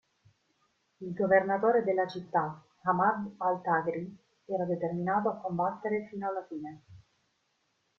Il governatore della città, Aḥmad al-Tagri, era determinato a combattere fino alla fine.